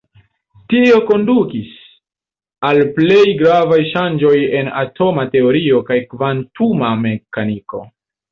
Tio kondukis al plej gravaj ŝanĝoj en atoma teorio kaj kvantuma mekaniko.